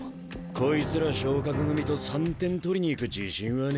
こいつら昇格組と３点取りに行く自信はねえなあ。